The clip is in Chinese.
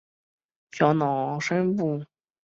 小脑深部核团是小脑的深部的解剖结构。